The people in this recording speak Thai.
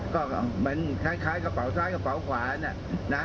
ก็เหมือนคล้ายกระเป๋าซ้ายกระเป๋าขวานนะ